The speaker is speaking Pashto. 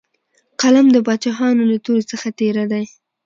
قلم د باچاهانو له تورې څخه تېره دی.